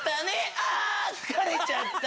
あ疲れちゃった。